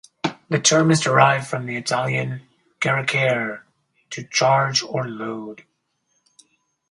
The term is derived from the Italian "caricare"-to charge or load.